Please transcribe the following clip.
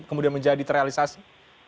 kemudian menjadi terrealisasi